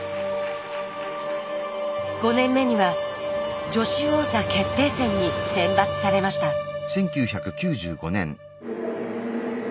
５年目には女子王座決定戦に選抜されました。スタート！